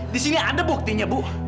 disini ada buktinya bu